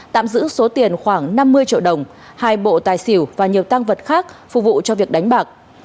tạm giữ số tiền khoảng năm mươi triệu đồng hai bộ tài xỉu và nhiều tăng vật khác phục vụ cho việc đánh bạc